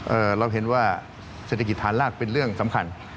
เราเห็นว่าเศรษฐกิจฐานรากเป็นเรื่องสำคัญ